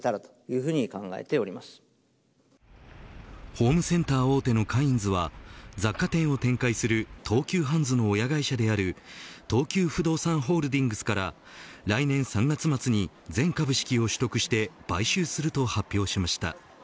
ホームセンター大手のカインズは雑貨店を展開する東急ハンズの親会社である東急不動産ホールディングスから来年３月末に全株式を取得して買収すると発表しました。